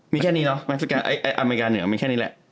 อเมริกาเหนือมีแค่นี้แหละ